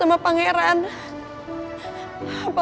gue mbak mel disuruh ngasih